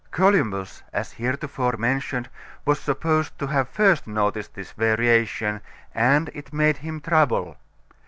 Columbus, as heretofore mentioned, was supposed to have first noticed this variation and it made him trouble.